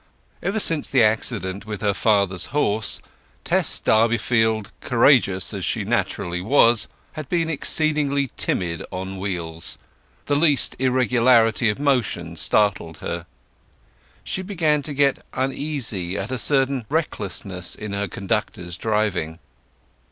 Ever since the accident with her father's horse Tess Durbeyfield, courageous as she naturally was, had been exceedingly timid on wheels; the least irregularity of motion startled her. She began to get uneasy at a certain recklessness in her conductor's driving.